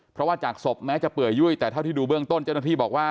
เพราะว่าจากศพแม้จะเปื่อยยุ่ยแต่เท่าที่ดูเบื้องต้นเจ้าหน้าที่บอกว่า